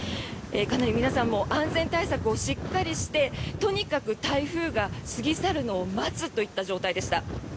かなり皆さんも安全対策をしっかりしてとにかく台風が過ぎ去るのを待つといった状態でした。